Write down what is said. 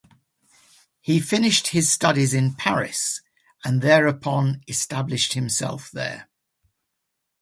He finished his studies in Paris and thereupon established himself there.